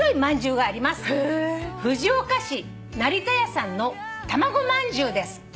「藤岡市成田屋さんのたまごまんじゅうです」